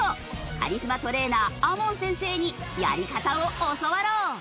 カリスマトレーナーＡＭＯＮ先生にやり方を教わろう。